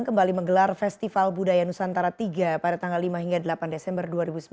kembali menggelar festival budaya nusantara tiga pada tanggal lima hingga delapan desember dua ribu sembilan belas